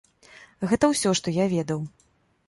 Гэта ўсе, што я ведаў.